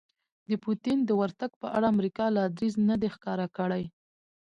د پوتین د ورتګ په اړه امریکا لا دریځ نه دی ښکاره کړی